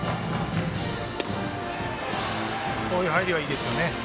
こういう入りはいいですね。